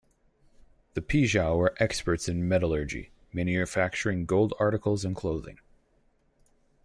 The Pijao were experts in metallurgy, manufacturing gold articles and clothing.